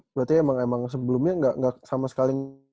berarti emang emang sebelumnya nggak sama sekali